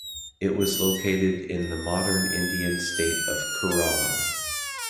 It was located in the modern Indian state of Kerala.